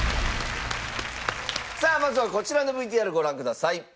さあまずはこちらのＶＴＲご覧ください。